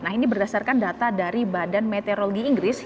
nah ini berdasarkan data dari badan meteorologi inggris